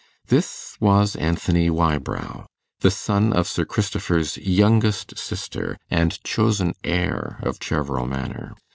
This was Anthony Wybrow, the son of Sir Christopher's youngest sister, and chosen heir of Cheverel Manor.